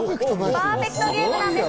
パーフェクトゲームなんです！